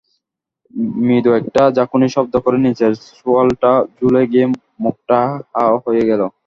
মৃদু একটা ঝাঁকুনির শব্দ করে নিচের চোয়ালটা ঝুলে গিয়ে মুখটা হাঁ হয়ে গেল।